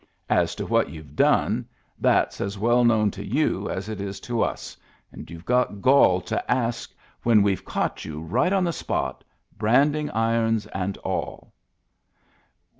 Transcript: As to what you've done, that's as well known to you as it is to us, and you've got gall to ask, when we've caught you right on the spot, branding irons and all."